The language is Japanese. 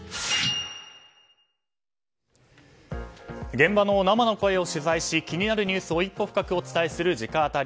現場の生の声を取材し気になるニュースを一歩深くお伝えする直アタリ。